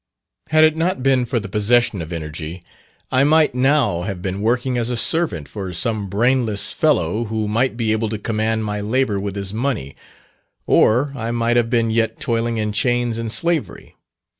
Had it not been for the possession of energy, I might now have been working as a servant for some brainless fellow who might be able to command my labour with his money, or I might have been yet toiling in chains and slavery.